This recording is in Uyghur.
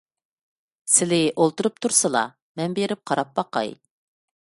سىلى ئولتۇرۇپ تۇرسىلا، مەن بېرىپ قاراپ باقاي.